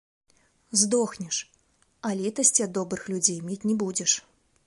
Здохнеш, а літасці ад добрых людзей мець не будзеш.